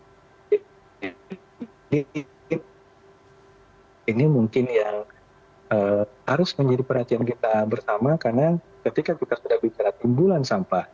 jadi ini mungkin yang harus menjadi perhatian kita bersama karena ketika kita sudah bicara timbulan sampah